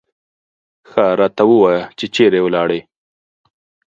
ښه راته ووایه چې چېرې ولاړې.